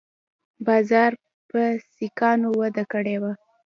بازار په سیکانو وده کړې وه